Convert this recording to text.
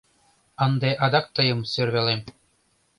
Ынде адак тыйым сӧрвалем.